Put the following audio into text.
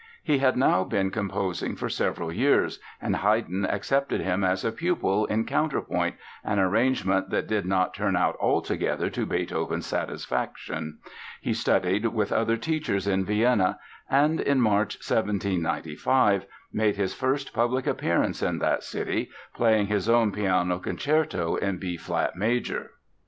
He had now been composing for several years, and Haydn accepted him as a pupil in counterpoint, an arrangement that did not turn out altogether to Beethoven's satisfaction. He studied with other teachers in Vienna and in March 1795, made his first public appearance in that city, playing his own piano concerto in B flat major.